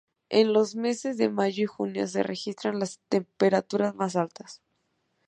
En los meses de mayo y junio, se registran las temperaturas más altas.